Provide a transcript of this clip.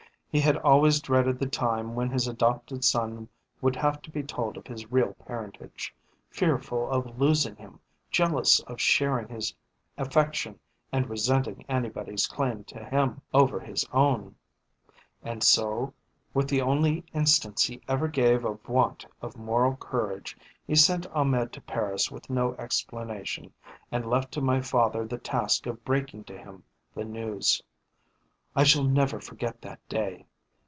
He had always dreaded the time when his adopted son would have to be told of his real parentage, fearful of losing him, jealous of sharing his affection and resenting anybody's claim to him over his own. And so, with the only instance he ever gave of want of moral courage, he sent Ahmed to Paris with no explanation, and left to my father the task of breaking to him the news. I shall never forget that day.